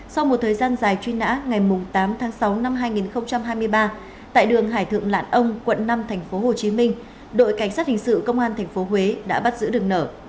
sau một thời gian dài truy nã ngày tám tháng sáu năm hai nghìn hai mươi ba tại đường hải thượng lãn ông quận năm tp hcm đội cảnh sát hình sự công an tp huế đã bắt giữ đường nở